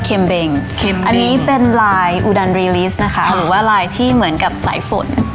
เข็มเบงเข็มเบงอันนี้เป็นลายนะคะหรือว่าลายที่เหมือนกับสายฝนอ๋อ